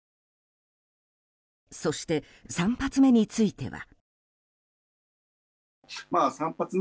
そして３発目については。